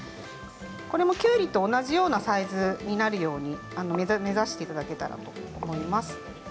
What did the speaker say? これも、きゅうりと同じようなサイズになるように目指していただけたらと思います。